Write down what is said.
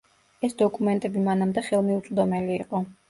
ეს დოკუმენტები მანამდე ხელმიუწვდომელი იყო.